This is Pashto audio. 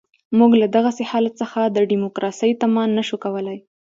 موږ له دغسې حالت څخه د ډیموکراسۍ تمه نه شو کولای.